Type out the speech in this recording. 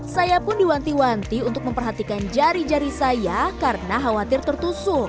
saya pun diwanti wanti untuk memperhatikan jari jari saya karena khawatir tertusuk